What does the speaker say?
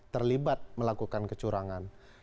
terlibat melakukan kecurangan